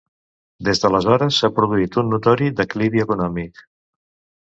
Des d'aleshores, s'ha produït un notori declivi econòmic.